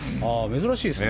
珍しいですね。